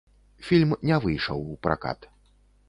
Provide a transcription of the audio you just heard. Фільм не выйшаў у пракат.